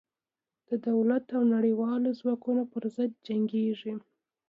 د دولت او نړېوالو ځواکونو پر ضد جنګېږي.